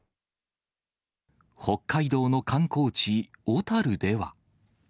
北海道の観光地、小樽では。